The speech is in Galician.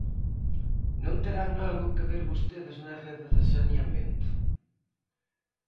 ¿Non terán algo que ver vostedes na rede de saneamento?